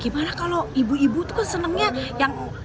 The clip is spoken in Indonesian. gimana kalau ibu ibu itu kan senengnya yang makan ayam dan menikmati rosa